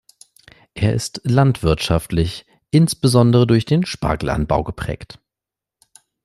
Er ist landwirtschaftlich, insbesondere durch den Spargelanbau geprägt.